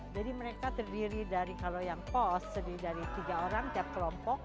jadi mereka terdiri dari kalau yang post terdiri dari tiga orang tiap kelompok